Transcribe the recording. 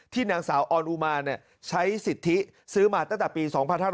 นางสาวออนอุมาใช้สิทธิซื้อมาตั้งแต่ปี๒๕๕๙